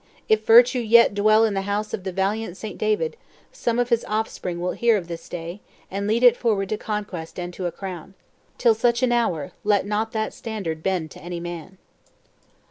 If virtue yet dwell in the house of the valiant St. David, some of his offspring will hear of this day, and lead it forward to conquest and to a crown. Till such an hour, let not that standard bend to any man."